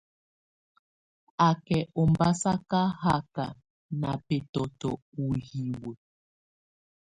Á kɛ̀ ɔmbasaka haka nà bɛtɔ̀tɔ̀ ù hiwǝ́.